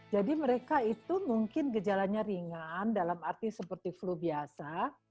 jadi mereka itu mungkin gejalanya ringan dalam arti seperti flu biasa